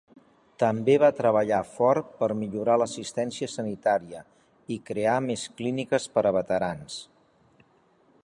També va treballar fort per millorar l'assistència sanitària i crear més clíniques per a veterans.